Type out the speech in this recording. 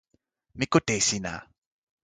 mi kute e sina.